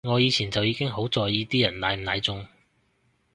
我以前就已經好在意啲人奶唔奶中